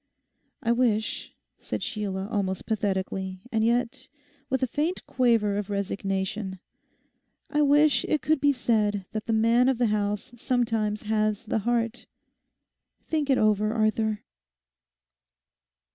'I wish,' said Sheila almost pathetically, and yet with a faint quaver of resignation, 'I wish it could be said that the man of the house sometimes has the heart. Think it over, Arthur!